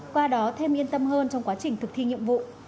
qua đó thêm yên tâm hơn trong quá trình thực thi nhiệm vụ